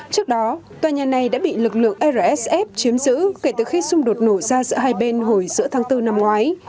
trước đó tòa nhà này đã bị lực lượng rsf chiếm giữ kể từ khi xung đột nổ ra giữa hai bên hồi giữa tháng bốn năm ngoái